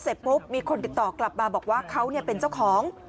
เสร็จปุ๊บมีคนติดต่อกลับมาบอกว่าเขาเป็นเจ้าของ